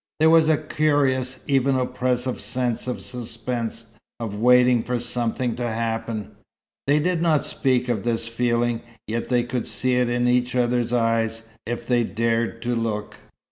There was a curious, even oppressive sense of suspense, of waiting for something to happen. They did not speak of this feeling, yet they could see it in each other's eyes, if they dare to look.